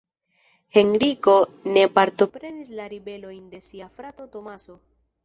Henriko ne partoprenis la ribelojn de sia frato Tomaso.